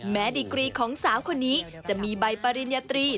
ดีกรีของสาวคนนี้จะมีใบปริญญาตรี